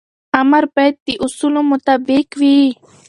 امر باید د اصولو مطابق وي.